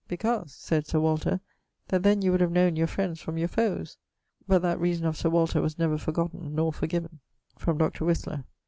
'Because,' said Sir Walter, 'that then you would have knowne your friends from your foes.' But that reason of Sir Walter was never forgotten nor forgiven. [LXXII.] From Dr. Whistler.